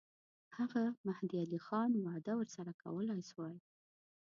هغه مهدي علي خان وعده ورسره کولای سوای.